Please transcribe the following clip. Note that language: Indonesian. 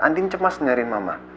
andi cemas dengerin mama